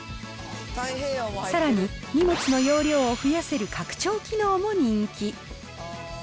さらに、荷物の容量を増やせる拡張機能も人気。